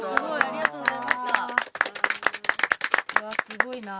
すごいな。